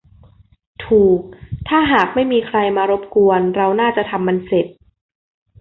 ถูก ถ้าหากไม่มีใครมารบกวนเราน่าจะทำมันเสร็จ